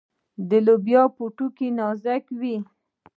د لوبیا پوټکی نازک وي.